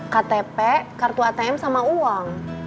ktp kartu atm sama uang